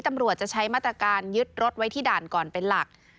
ตำรวจจะใช้มาตรการยึดรถไว้ที่ด่านก่อนเป็นหลัก